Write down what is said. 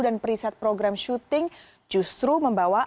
dan perisai program syuting justru membawa